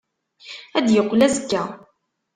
Ad d-yeqqel azekka.